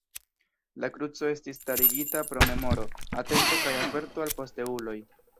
La kruco estis starigita pro memoro, atento kaj averto al posteuloj.